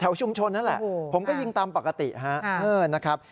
ชุมชนนั่นแหละผมก็ยิงตามปกตินะครับ